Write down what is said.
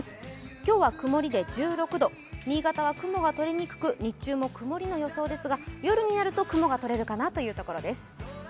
今日は曇りで１６度、新潟は雲がとれにくく日中も曇りの予想ですが夜になると雲が取れるかなというところです。